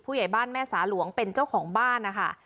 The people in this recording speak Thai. ผู้ใหญ่บ้านแม่สาหลวงเป็นเจ้าของบ้านนะคะ